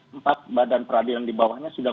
empat badan peradilan di bawahnya sudah